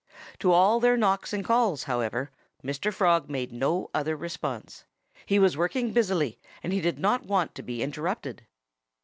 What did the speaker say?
To all their knocks and calls, however, Mr. Frog made no other response. He was working busily, and he did not want to be interrupted.